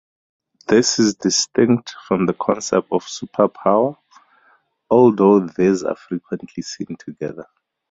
This is distinct from the concept of superpower, although these are frequently seen together.